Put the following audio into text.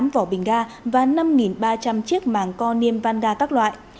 bốn trăm tám mươi tám vỏ bình ga và năm ba trăm linh chiếc màng co niêm văn ga các loại